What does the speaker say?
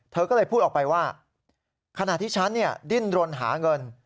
เธอก็เลยพูดออกไปว่าขณะที่ฉันดิ้นรนหาเงิน